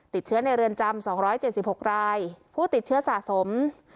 ติดเชื้อในเรือนจำสองร้อยเจ็ดสิบหกรายผู้ติดเชื้อสะสม